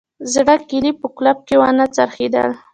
زړه کیلي په قلف کې ونه څرخیدل